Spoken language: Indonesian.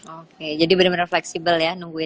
oke jadi bener bener fleksibel ya